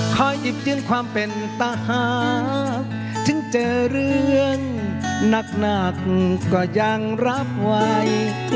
คอยหยิบยืนความเป็นตะหักถึงเจอเรื่องหนักหนักก็ยังรับไว้